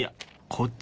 こっち。